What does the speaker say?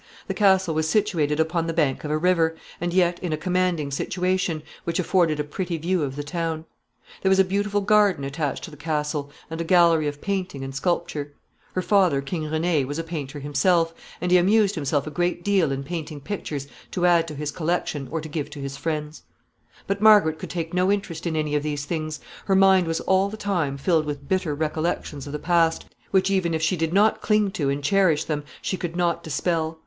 The castle was situated upon the bank of a river, and yet in a commanding situation, which afforded a pretty view of the town. There was a beautiful garden attached to the castle, and a gallery of painting and sculpture. Her father, King René, was a painter himself, and he amused himself a great deal in painting pictures to add to his collection or to give to his friends. [Sidenote: Dreadful depression of spirits.] But Margaret could take no interest in any of these things. Her mind was all the time filled with bitter recollections of the past, which, even if she did not cling to and cherish them, she could not dispel.